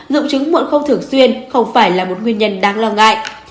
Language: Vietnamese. lượng trứng muộn không thường xuyên không phải là một nguyên nhân đáng lo ngại